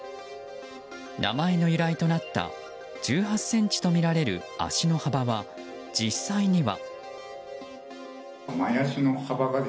名前の由来となった１８ｃｍとみられる足の幅は実際には。